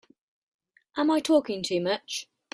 Am I talking too much?